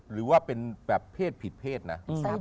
หรือว่าเป็นแบบเพศผิดเพศนะ